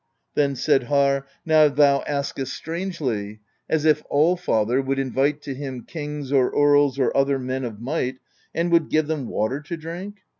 Then said Harr: "Now thou askest strangely; as if Allfather would invite to him kings or earls or other men of might and would give them water to drink!